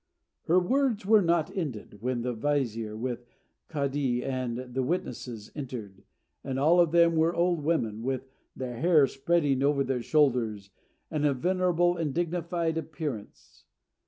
Her words were not ended when the vizier, with the Kádee and the witnesses, entered, and all of them were old women, with their hair spreading over their shoulders, and of venerable and dignified appearance.